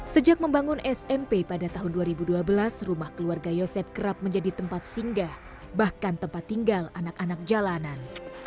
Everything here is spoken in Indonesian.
sejak membangun smp pada tahun dua ribu dua belas rumah keluarga yosep kerap menjadi tempat singgah bahkan tempat tinggal anak anak jalanan